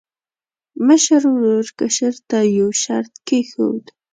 مشر ورور کشر ته یو شرط کېښود.